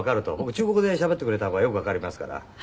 中国語でしゃべってくれた方がよくわかりますから。